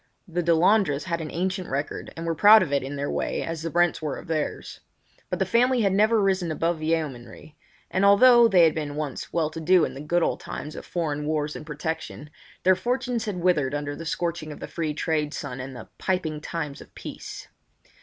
The Delandres had an ancient record and were proud of it in their way as the Brents were of theirs. But the family had never risen above yeomanry; and although they had been once well to do in the good old times of foreign wars and protection, their fortunes had withered under the scorching of the free trade sun and the "piping times of peace."